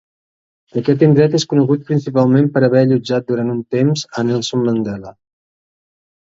Aquest indret és conegut principalment per haver allotjat durant un temps a Nelson Mandela.